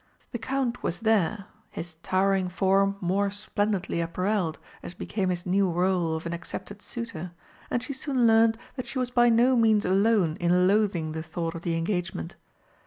The Count was there, his towering form more splendidly apparelled, as became his new rôle of an accepted suitor, and she soon learnt that she was by no means alone in loathing the thought of the engagement.